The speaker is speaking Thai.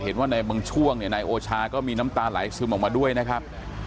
เห็นว่าในเมืองช่วงน์ไนโอชาก็มีน้ำตาหลายสึมออกมาด้วยนะครับ